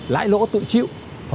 lãi lỗ tự chịu